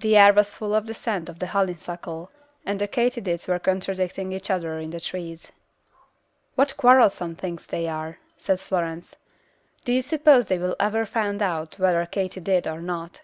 The air was full of the scent of the honeysuckle, and the katydids were contradicting each other in the trees. "What quarrelsome things they are," said Florence. "Do you suppose they will ever find out whether katy did or not?